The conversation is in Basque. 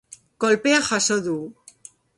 Kolpea jaso du.